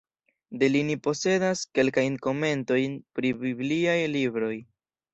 De li ni posedas kelkajn komentojn pri bibliaj libroj.